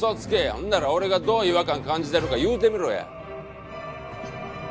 ほんなら俺がどう違和感感じてるか言うてみろや！